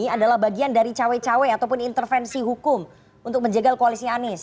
adalah bagian dari cawe cawe ataupun intervensi hukum untuk menjegal koalisi anies